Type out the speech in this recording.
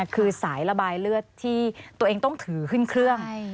คือสายระบายเลือดที่ตัวเองต้องถือขึ้นเครื่อง